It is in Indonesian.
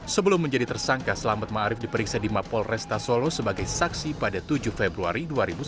sebelum menjadi tersangka selamat ma'arif diperiksa di mapol restasolo sebagai saksi pada tujuh februari dua ribu sembilan belas